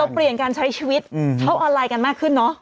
เปลี่ยนการใช้ชีวิตเข้าออนไลน์กันมากขึ้นเนอะ